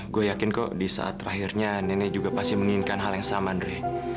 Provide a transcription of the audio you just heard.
gue yakin kok di saat terakhirnya nenek juga pasti menginginkan hal yang sama andre